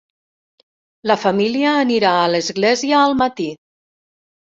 La família anirà a l'església al matí.